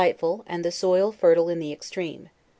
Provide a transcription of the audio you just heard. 'ghtful, and the soil fertile in the extreme.